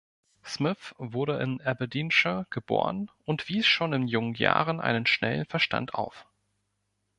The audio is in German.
Smith wurde in Aberdeenshire geboren und wies schon in jungen Jahren einen schnellen Verstand auf.